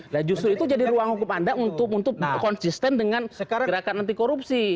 nah justru itu jadi ruang hukum anda untuk konsisten dengan gerakan anti korupsi